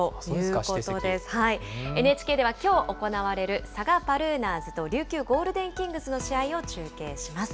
ＮＨＫではきょう行われる佐賀バルーナーズと琉球ゴールデンキングスの試合を中継します。